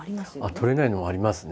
撮れないのもありますね。